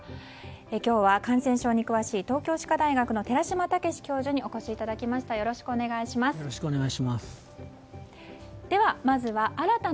今日は感染症に詳しい東京歯科大学の寺嶋毅教授にお越しいただきました。